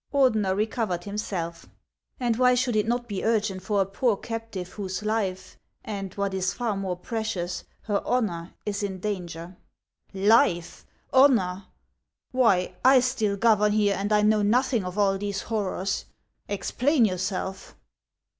Ordener recovered himself. " And why should it not be urgent for a poor captive whose life, and, what is far more precious, her honor, is in danger ?"" Life 1 honor ! Why, I still govern here, and I know nothing of all these horrors ! Explain yourself."